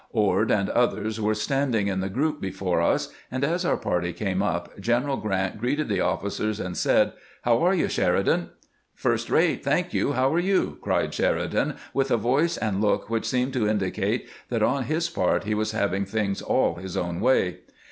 Ord and others were standing in the group before us, and as our party came up General Grant greeted the oflficers, and said, " How are you, Sheridan ?"" First rate, thank you; how are you?" cried Sheridan, with a voice and look which seemed to indicate that, on his part, he was having things aU his own way.